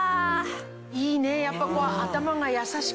いいねやっぱ。